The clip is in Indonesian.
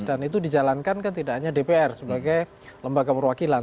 dan itu dijalankan kan tidak hanya dpr sebagai lembaga perwakilan